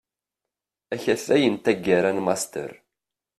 Akatay n taggara n Master.